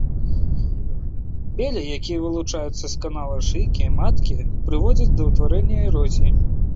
Белі, якія вылучаюцца з канала шыйкі маткі, прыводзяць да ўтварэння эрозіі.